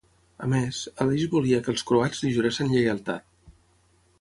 A més, Aleix volia que els croats li juressin lleialtat.